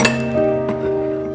apa ini narasimanya itu